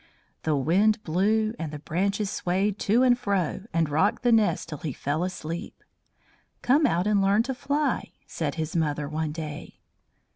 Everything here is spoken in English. The wind blew, and the branches swayed to and fro and rocked the nest till he fell asleep. "Come out and learn to fly," said his mother one day.